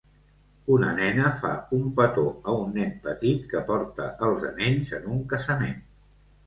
Una nena fa un petó a un nen petit que porta els anells en un casament.